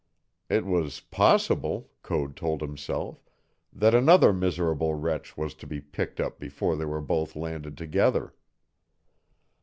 It was possible, Code told himself, that another miserable wretch was to be picked up before they were both landed together.